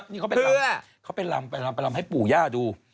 นี่เขาไปลำไปลำให้ปู่ย่าดู